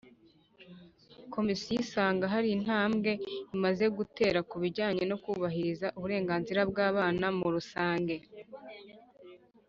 Komisiyo isanga hari intambwe imaze guterwa ku bijyanye no kubahiriza uburenganzira bw’ abana mu rusange.